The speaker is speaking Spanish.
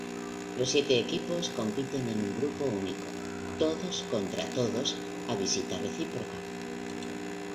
Los siete equipos compiten en un grupo único, todos contra todos a visita reciproca.